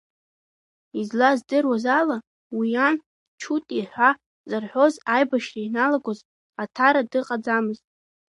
Излаздыруаз ала, уи иан, Чути ҳәа зарҳәоз, аибашьра ианалагоз Аҭара дыҟаӡамызт.